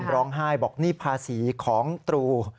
ร้องไห้บอกนี่ภาษีของตรู